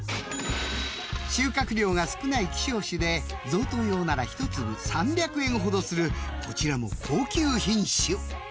［収穫量が少ない希少種で贈答用なら一粒３００円ほどするこちらも高級品種］